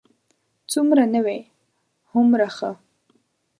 څومره نوی، هومره ښه.